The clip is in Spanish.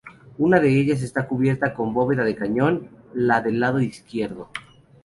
Una de ellas está cubierta con bóveda de cañón, la del lado izquierdo.